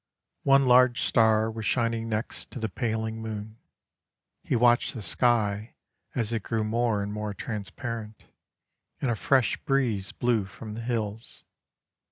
One large star was shining next to the paling moon. He watched the sky as it grew more and more transparent, and a fresh breeze blew from the hills.